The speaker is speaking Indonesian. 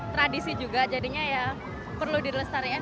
tradisi juga jadinya ya perlu dilestarikan